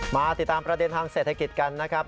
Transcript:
มาติดตามประเด็นทางเศรษฐกิจกันนะครับ